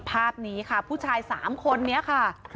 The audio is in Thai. ภาพนี้ค่ะผู้ชาย๓คนนี้ค่ะ